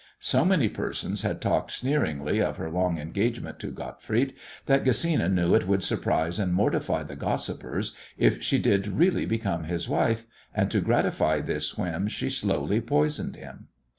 So many persons had talked sneeringly of her long engagement to Gottfried that Gesina knew it would surprise and mortify the gossipers if she did really become his wife, and to gratify this whim she slowly poisoned him!